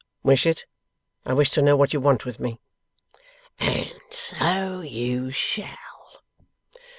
'Wish it? I wish to know what you want with me.' 'And so you shall.